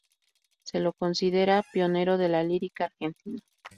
Se lo considera pionero de la lírica argentina.